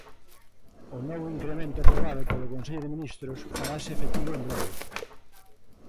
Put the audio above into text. O novo incremento aprobado polo Consello de Ministros farase efectivo en breve.